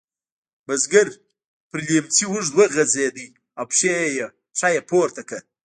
بزګر پر لیهمڅي اوږد وغځېد او پښه یې پورته کړه.